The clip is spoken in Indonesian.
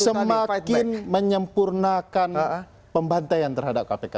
semakin menyempurnakan pembantaian terhadap kpk